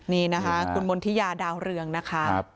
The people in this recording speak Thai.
นี่นะคะคุณมณฑิยาดาวเรืองนะคะ